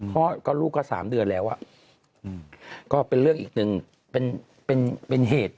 ลูกก็๓เดือนแล้วก็เป็นเรื่องอีกหนึ่งเป็นเหตุ